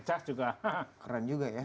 cash juga keren juga ya